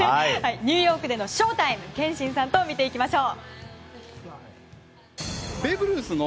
ニューヨークでのショータイムを憲伸さんと見ていきましょう。